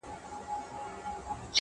• د دريو مياشتو پاچهي به مي په ښه وي,